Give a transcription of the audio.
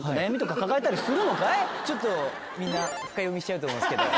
ちょっとみんな深読みしちゃうと思うんですけど。